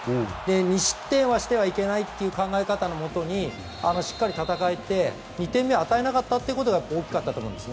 ２失点はしてはいけないという考え方のもとにしっかり戦えて２点目を与えなかったことが大きかったと思います。